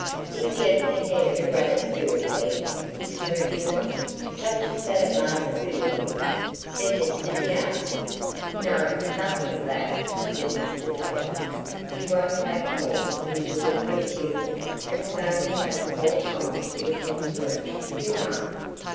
"Is he at the head of a grammar school, then, this clergyman, such as that at Market Bewley?" said Mr Deane. "No, nothing of that," said Mr Tulliver. "He won't take more than two or three pupils, and so he'll have the more time to attend to 'em, you know."